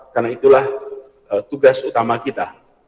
karena itulah tugas utama kita